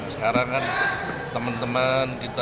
sekarang kan teman teman